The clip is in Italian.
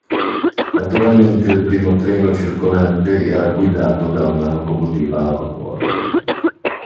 Naturalmente il primo treno circolante era guidato da una locomotiva a vapore.